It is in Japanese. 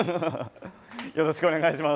よろしくお願いします。